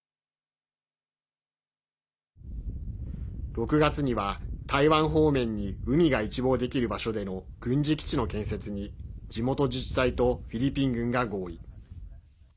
６月には台湾方面に海が一望できる場所での軍事基地の建設に地元自治体とフィリピン軍が合意。